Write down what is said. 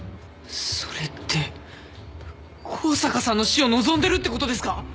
それって香坂さんの死を望んでるってことですか？